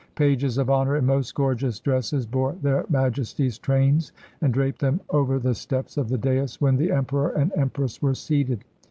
Pages of honor in most gorgeous dresses bore Their Majesties' trains, and draped them over the steps of the dais when the Emperor and Empress were seated.